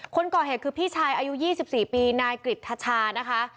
คนก่อเหตุคือพี่ชายอายุ๒๔ปีนายกริทชานะคะ